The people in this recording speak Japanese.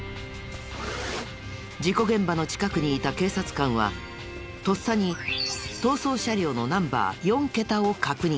事故現場の近くにいた警察官はとっさに逃走車両のナンバー４ケタを確認。